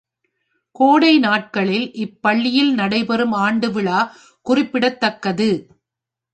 கோடை நாட்களில் இப்பள்ளியில் நடைபெறும் ஆண்டு விழா குறிப்பிடத்தக்கது.